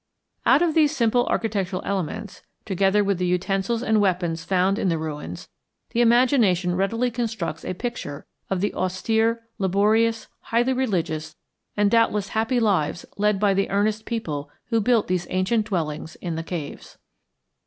Out of these simple architectural elements, together with the utensils and weapons found in the ruins, the imagination readily constructs a picture of the austere, laborious, highly religious, and doubtless happy lives led by the earnest people who built these ancient dwellings in the caves.